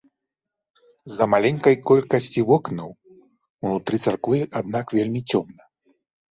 З-за маленькай колькасці вокнаў, унутры царквы, аднак, вельмі цёмна.